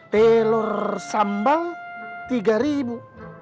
telur sambal tiga ribu